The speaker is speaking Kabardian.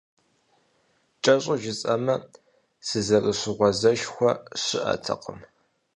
КӀэщӀу жысӀэмэ, сызэрыщыгъуазэшхуэ щыӀэтэкъым.